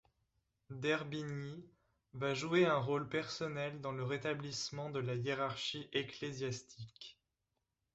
D'Herbigny va jouer un rôle personnel dans le rétablissement de la hiérarchie ecclésiastique.